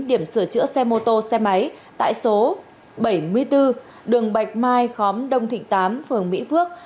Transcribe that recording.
điểm sửa chữa xe mô tô xe máy tại số bảy mươi bốn đường bạch mai khóm đông thịnh tám phường mỹ phước